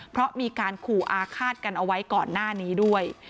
เพราะมีการขู่อาฆาตกันเอาไว้ก่อนหน้านี้ด้วย